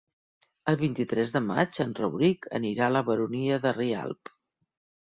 El vint-i-tres de maig en Rauric anirà a la Baronia de Rialb.